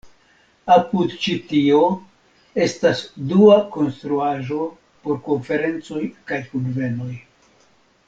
Apud ĉi-tio estas dua konstruaĵo por konferencoj kaj kunvenoj.